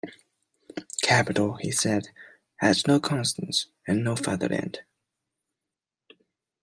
Capital, he said, had no conscience and no fatherland.